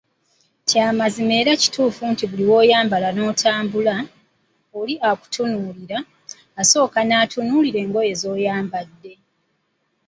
Kya mazima era kituufu nti buli lw‘oyambala n‘otambula, oli akutunuulira, asooka n‘atunuulira engoye z‘oyambadde